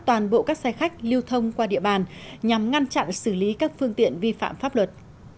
toàn bộ các xe khách lưu thông qua địa bàn nhằm ngăn chặn xử lý các phương tiện vi phạm pháp luật